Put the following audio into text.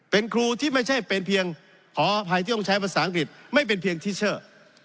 เป็นครูที่ไม่ใช่เป็นเพียงขออภัยที่ต้องใช้ภาษาอังกฤษไม่เป็นเพียงทิเชอร์